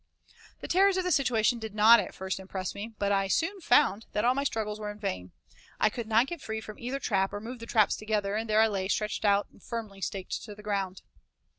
The terrors of the situation did not, at first, impress me, but I soon found that all my struggles were in vain. I could not get free from either trap or move the traps together, and there I lay stretched out and firmly staked to the ground.